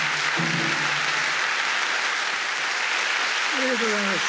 ありがとうございます。